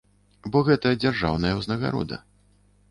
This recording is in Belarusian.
Бо гэта дзяржаўная ўзнагарода.